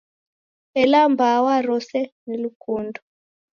Ela m'baa wa rose, ni lukundo.